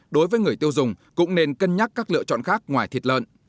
đối với người tiêu dùng cũng nên cân nhắc các lựa chọn khác ngoài thịt lợn